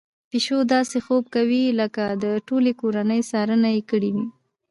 پيشو داسې خوب کوي لکه د ټولې کورنۍ څارنه يې کړې وي.